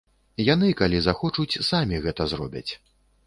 Яны, калі захочуць, самі гэта зробяць.